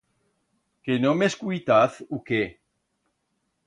Que no m'escuitaz u qué?